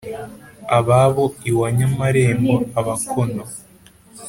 ababo iwa nyamarembo abakono,